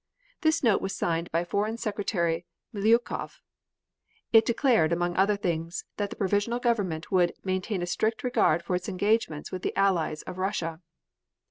This note was signed by Foreign Secretary Miliukov. It declared, among other things, that the Provisional Government would "maintain a strict regard for its engagements with the Allies of Russia."